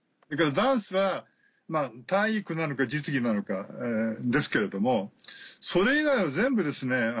それからダンスは体育なのか実技なのかですけれどもそれ以外は全部ですね